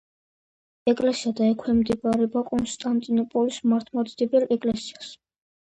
ეკლესია დაექვემდებარება კონსტანტინოპოლის მართლმადიდებელ ეკლესიას.